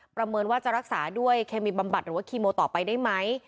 เมินว่าจะรักษาด้วยเคมีบำบัดหรือว่าคีโมต่อไปได้ไหม